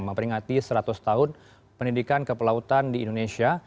memperingati seratus tahun pendidikan kepelautan di indonesia